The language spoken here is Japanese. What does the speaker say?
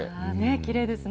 きれいですね。